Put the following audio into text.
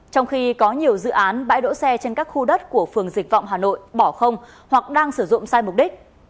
trong khi có nhiều dự án bãi đỗ xe trên các khu đất của phường dịch vọng hà nội bỏ không hoặc đang sử dụng sai mục đích